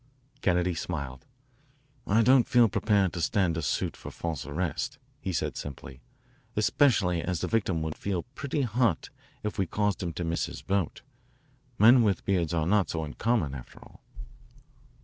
Kennedy smiled. "I don't feel prepared to stand a suit for false arrest," he said simply, " especially as the victim would feel pretty hot if we caused him to miss his boat. Men with beards are not so uncommon, after all."